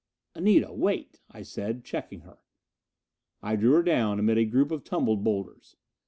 "Anita, wait," I said, checking her. I drew her down amid a group of tumbled boulders.